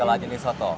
setelah ini soto